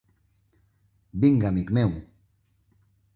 Vinga, amic meu.